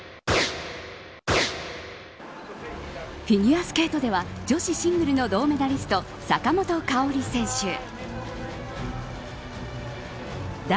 フィギュアスケートでは女子シングルの銅メダリスト坂本花織選手。